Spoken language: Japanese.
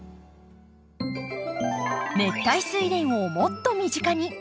熱帯スイレンをもっと身近に。